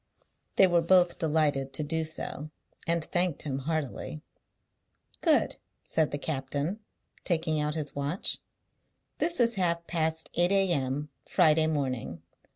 They were both delighted to do so, and thanked him heartily. "Good," said the captain, taking out his watch. "This is half past eight a.m., Friday morning.